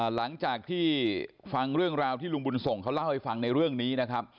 หลังจากที่ฟังเรื่องราวที่ลุงบุญส่งเขาเล่าให้ฟังในเรื่องนี้นะครับ